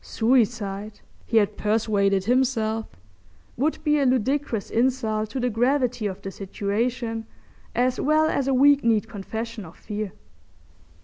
Suicide, he had persuaded himself, would be a ludicrous insult to the gravity of the situation as well as a weak kneed confession of fear.